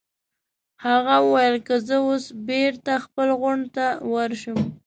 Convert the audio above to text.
هغه وویل: که زه اوس بېرته خپل غونډ ته ورشم.